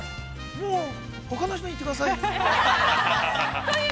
◆もうほかの人に行ってください。